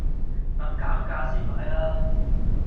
等減價先買啦